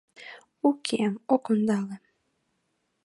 Уке, ок ондале